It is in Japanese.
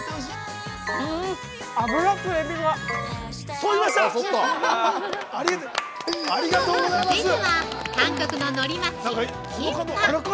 ◆続いては韓国の海苔巻きキンパ。